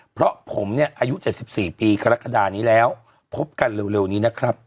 เพราะผมเนี่ยอายุเจ็ดสิบสี่ปีคลาศิษฐ์นี้แล้วพบกันเร็วนี้นะครับ